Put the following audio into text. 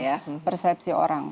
ya persepsi orang